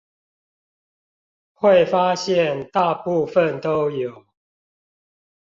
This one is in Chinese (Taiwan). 會發現大部分都有